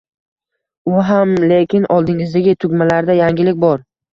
U ham, lekin oldingizdagi tugmalarda yangilik bor.